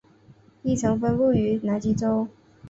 亦曾分布于南极洲。